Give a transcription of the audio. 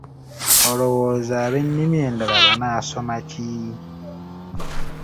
Olowooza ab'ennimi endala banaasoma ki?